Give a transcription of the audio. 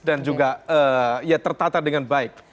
dan juga ya tertata dengan baik